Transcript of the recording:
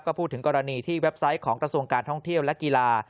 ก็พูดถึงกรณีที่เว็บไซต์ของกระทรวงการท่องเที่ยวและกีฬา